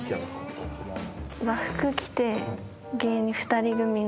和服着て２人組の。